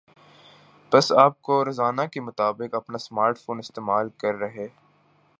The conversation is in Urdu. پس آپ کو روزانہ کے مطابق اپنا سمارٹ فون استعمال کر ہے